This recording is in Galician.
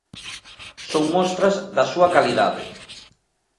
Son mostras da súa calidade.